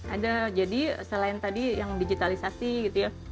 ada jadi selain tadi yang digitalisasi gitu ya